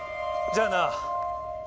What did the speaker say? じゃあな。